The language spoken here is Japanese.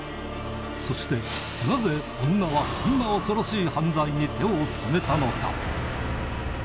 そしてなぜ女はこんな恐ろしい犯罪に手を染めたのか？